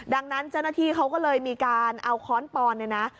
ดังนั้นเจ้าหน้าที่เขาก็เลยมีการเอาค้อนปอนเนี่ยนะ